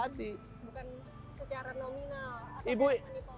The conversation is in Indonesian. bukan secara nominal